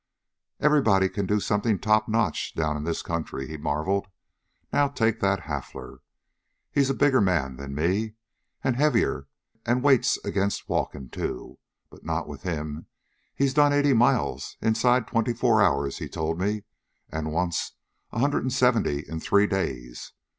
"Everybody can do something top notch down in this country," he marveled. "Now take that Hafler. He's a bigger man than me, an' a heavier. An' weight's against walkin', too. But not with him. He's done eighty miles inside twenty four hours, he told me, an' once a hundred an' seventy in three days.